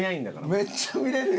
めっちゃ見れるやん。